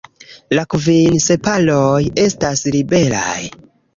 La kvin sepaloj estas liberaj.